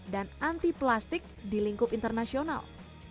dan anti plastik di lingkup internasional